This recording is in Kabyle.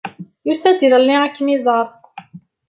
Yusa-d iḍelli ad kem-iẓer.